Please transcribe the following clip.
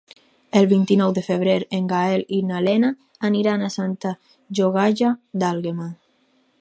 El vint-i-nou de febrer en Gaël i na Lena aniran a Santa Llogaia d'Àlguema.